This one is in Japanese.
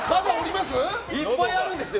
いっぱいあるんですよ。